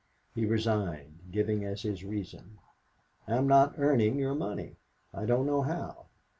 He resigned, giving as his reason: "I am not earning your money. I don't know how."